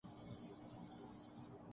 اپنی مثال آپ ہے